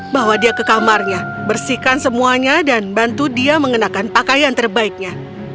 bawa dia ke kamarnya bersihkan semuanya dan bantu dia mengenakan pakaian terbaiknya